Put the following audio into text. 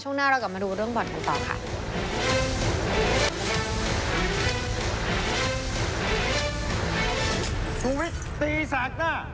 หน้าเรากลับมาดูเรื่องบ่อนกันต่อค่ะ